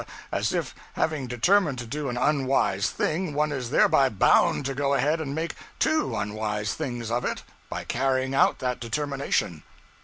as if, having determined to do an unwise thing, one is thereby bound to go ahead and make _two _unwise things of it, by carrying out that determination.